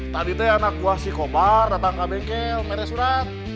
tadi tuh anak gue si kobar datang ke bengkel pede surat